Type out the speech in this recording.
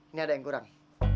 ini ada yang kurang